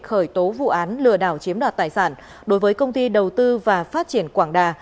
khởi tố vụ án lừa đảo chiếm đoạt tài sản đối với công ty đầu tư và phát triển quảng đà